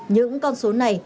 những con số này